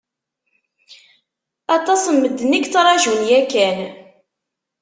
Aṭas n medden i yettrajun yakan.